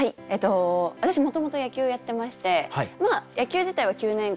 私もともと野球やってまして野球自体は９年間。